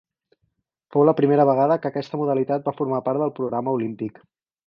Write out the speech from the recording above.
Fou la primera vegada que aquesta modalitat va formar part del programa olímpic.